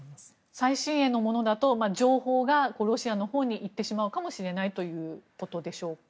最新鋭のものだと情報がロシアのほうに行ってしまうかもしれないということでしょうか。